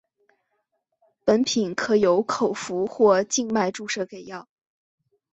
本品可由口服或静脉注射给药。